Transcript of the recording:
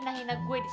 teman aku disini